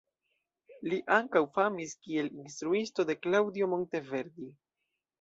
Li ankaŭ famis kiel instruisto de Claudio Monteverdi.